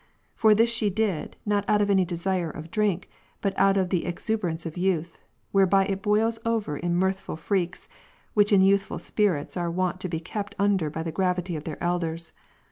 For this she did, not out of any desire of drink, but out of the exuberance of youth, whereby it boils over in mirthful freaks, which in youthful spirits are wont to be kept under by the gravity of their elders.